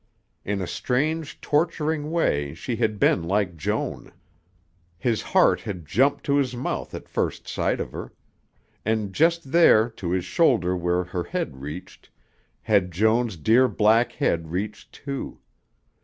In a strange, torturing way she had been like Joan. His heart had jumped to his mouth at first sight of her. And just there, to his shoulder where her head reached, had Joan's dear black head reached too.